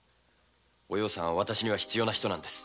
お葉さんは私に必要な人です。